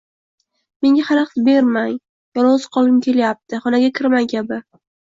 “menga xalaqit bermang”, “yolg‘iz qolgim kelayapti”, “xonaga kirmang” kabi.